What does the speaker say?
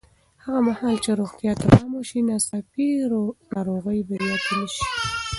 هغه مهال چې روغتیا ته پام وشي، ناڅاپي ناروغۍ به زیاتې نه شي.